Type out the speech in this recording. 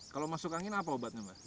kalau masuk angin apa obatnya mbak